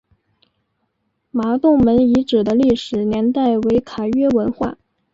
麻洞门遗址的历史年代为卡约文化。